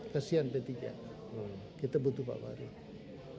kesian p tiga kita butuh pak wadid